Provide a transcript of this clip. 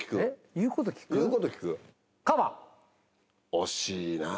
惜しいな。